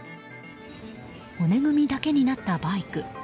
骨組みだけになったバイク。